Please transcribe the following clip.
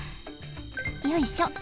よいしょ。